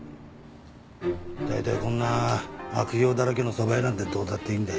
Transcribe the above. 大体こんな悪評だらけのそば屋なんてどうだっていいんだよ。